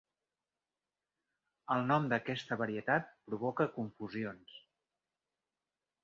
El nom d'aquesta varietat provoca confusions.